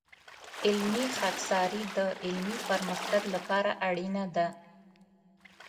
علمي خاکساري د علمي پرمختګ لپاره اړینه ده.